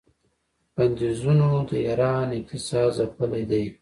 بندیزونو د ایران اقتصاد ځپلی دی.